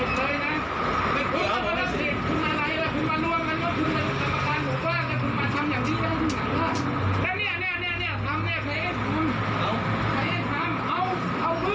และคุณมาทำอย่างนี้เขาจะหสงค์แล้ว